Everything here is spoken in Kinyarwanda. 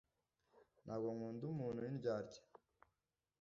ntabwo nkunda umuntu windyarya